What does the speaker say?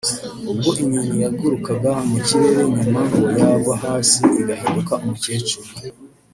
ubwo inyoni yagurukaga mu kirere nyuma ngo yagwa hasi igahinduka umukecuru